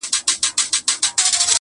راوړې فریسو یې د تن خاوره له باګرامه.